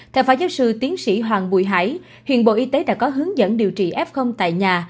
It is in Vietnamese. theo phó giáo sư tiến sĩ hoàng bùi hải hiện bộ y tế đã có hướng dẫn điều trị f tại nhà